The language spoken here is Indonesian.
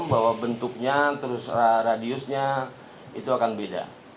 bapak paham bahwa bentuknya terus radiusnya itu akan beda